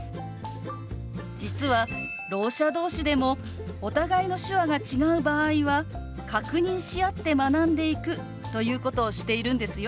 実はろう者同士でもお互いの手話が違う場合は確認し合って学んでいくということをしているんですよ。